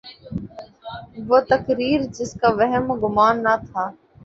وہ تقریر جس کا وہم و گماں نہ تھا۔